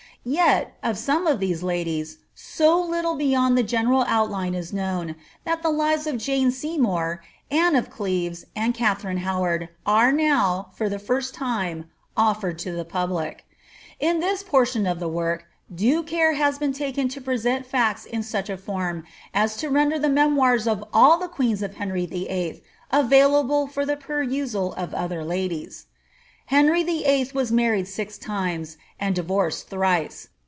Yet, of some of these ladies, so little beyond the general outline ii known, that the liTes of Jane Seymour, Anne of Cle? es, and Katharine Howard, are now, ibr the first time, offered to the public Id this portion of the work, due care has been taken to present facts io such a form as to render the Memoirs of all the queens of Henry YIII. available for the perusal of other ladies. Henry YIII. was married six times, and divorced thrice.